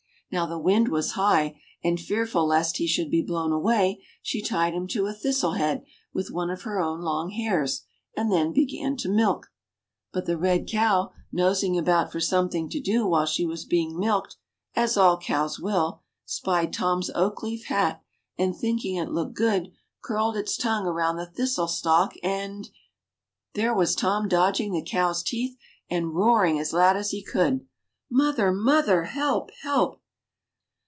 Now the wind was high, and fearful lest he should be blown away, she tied him to a thistle head with one of her own long hairs, and then began to milk. But the red cow, nosing about for something to do while she was being milked, as all cows will, spied Tom's oak leaf hat, and thinking it looked good, curled its tongue round the thistle stalk and There was Tom dodging the cow's teeth, and roaring as loud as he could "Mother! Mother! Help! Help!"